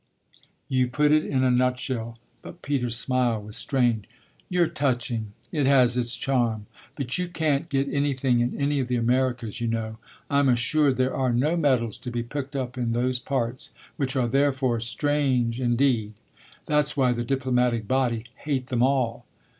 "You put it in a nutshell." But Peter's smile was strained. "You're touching it has its charm. But you can't get anything in any of the Americas, you know. I'm assured there are no medals to be picked up in those parts which are therefore 'strange' indeed. That's why the diplomatic body hate them all."